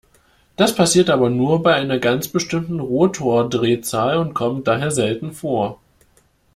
Das passiert aber nur bei einer ganz bestimmten Rotordrehzahl und kommt daher selten vor.